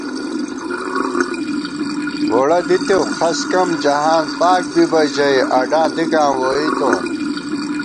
ووڑِؤ دِتېؤ خس کم جہاں پاک بِبہ ژَئی اڈاں دِکاں ووئیتون